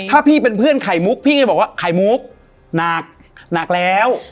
ถ้าพี่เป็นเพื่อนไข่มุกพี่จะบอกว่าไข่มุกหนักหนักแล้ว